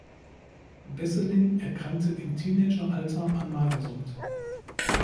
Wesseling erkrankte im Teenageralter an Magersucht.